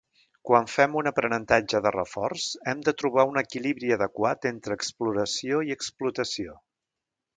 Quan fem un aprenentatge de reforç, hem de trobar un equilibri adequat entre exploració i explotació.